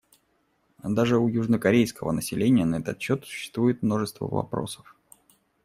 Даже у южнокорейского населения на этот счет существует множество вопросов.